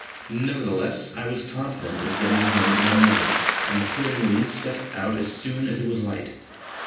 Nevertheless I was confident of getting him in the morning, and accordingly set out as soon as it was light.